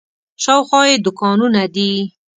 شاوخوا یې دوکانونه دي.